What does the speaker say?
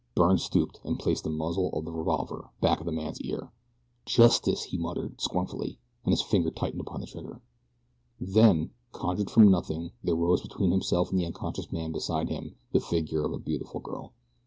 Byrne stooped and placed the muzzle of the revolver back of the man's ear. "Justice!" he muttered, scornfully, and his finger tightened upon the trigger. Then, conjured from nothing, there rose between himself and the unconscious man beside him the figure of a beautiful girl.